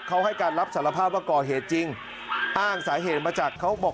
เขาให้การรับสารภาพว่าก่อเหตุจริงอ้างสาเหตุมาจากเขาบอก